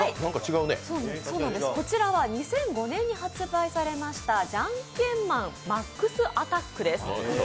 こちらは２００５年に発売されました「ジャンケンマンマックスアタック」です。